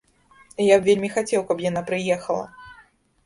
Я б вельмі хацеў, каб яна прыехала.